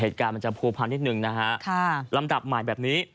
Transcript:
เหตุการณ์มันจะผัวพันนิดนึงนะฮะค่ะลำดับใหม่แบบนี้